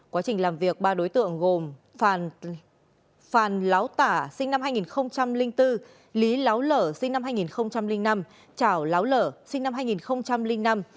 quá trình làm việc ba đối tượng gồm phàn láo tả sinh năm hai nghìn bốn lý láo lở sinh năm hai nghìn năm trảo láo lở sinh năm hai nghìn năm